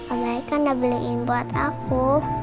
om bayi kan udah beliin buat aku